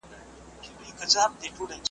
نه د بل په عقل پوهه کومکونو ,